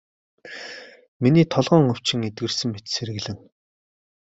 Миний толгойн өвчин эдгэрсэн мэт сэргэлэн.